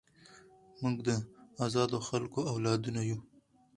موږ د ازادو خلکو اولادونه یو.